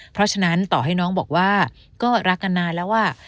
เพราะฉะนั้นต่อให้น้องบอกว่าก็รักกันนานแล้วอ่ะ